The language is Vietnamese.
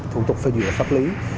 thủ tục phê duyệt pháp lý